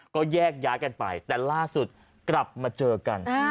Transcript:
ก็แยกย้ายกันไปแต่ล่าสุดกลับมาเจอกัน